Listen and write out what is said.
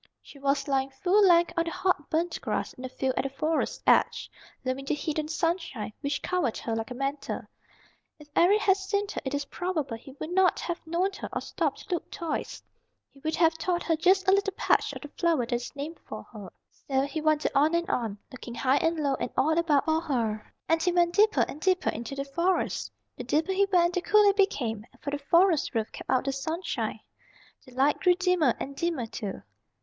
She was lying full length on the hot burnt grass in the field at the Forest's edge, loving the heat and sunshine, which covered her like a mantle. If Eric had seen her it is probable he would not have known her or stopped to look twice. He would have thought her just a little patch of the flower that is named for her. So he wandered on and on, looking high and low and all about for her, and he went deeper and deeper into the Forest. The deeper he went the cooler it became, for the forest roof kept out the sunshine. The light grew dimmer and dimmer too.